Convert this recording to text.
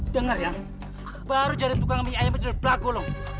dengar ya baru jadi tukang mie ayamnya dari belakang golong